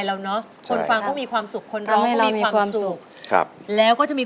ตราบที่ทุกลมหายใจ